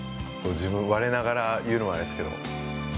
我ながら言うのもあれですけど。